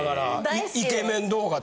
イケメン動画と。